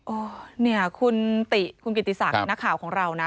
อ๋อเนี่ยคุณติคุณกิติศักดิ์นักข่าวของเรานะ